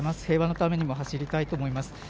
平和のためにも走りたいと思います。